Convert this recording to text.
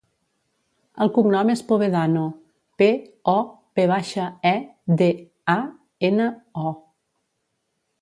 El cognom és Povedano: pe, o, ve baixa, e, de, a, ena, o.